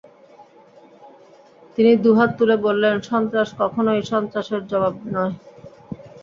তিনি দুহাত তুলে বললেন - স্বন্ত্রাস কখনেই স্বন্ত্রাসের জবাব নয়।